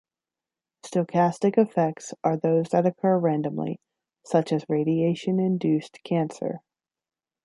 Stochastic effects are those that occur randomly, such as radiation-induced cancer.